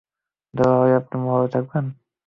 দুলাভাই, আপনি মহলে থাকবেন?